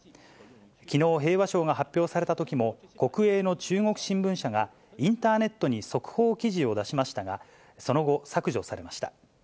きのう、平和賞が発表されたときも、国営の中国新聞社がインターネットに速報記事を出しましたが、その後、削除されました。